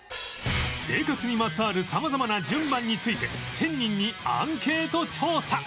生活にまつわる様々な順番について１０００人にアンケート調査